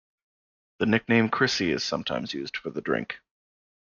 The nickname "Crissy" is sometimes used for the drink.